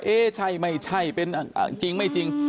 เอ๊ะใช่ไม่ใช่เป็นจริงไม่จริง